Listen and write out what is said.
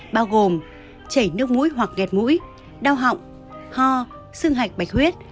bao gồm chảy nước mũi hoặc gẹt mũi đau họng ho xương hạch bạch huyết